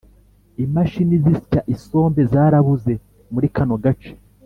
imashini zisya isombe zarabuze muri kano gace